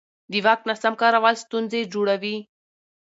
د واک ناسم کارول ستونزې جوړوي